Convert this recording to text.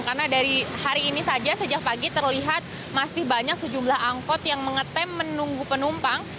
karena dari hari ini saja sejak pagi terlihat masih banyak sejumlah angkot yang mengetem menunggu penumpang